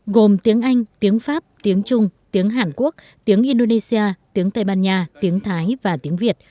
gồm tiếng anh tiếng pháp tiếng trung tiếng hàn quốc tiếng indonesia tiếng tây ban nha tiếng thái và tiếng việt